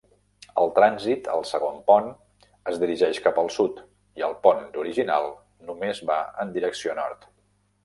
El trànsit al segon pont es dirigeix cap al sud, i al pont original només va en direcció nord.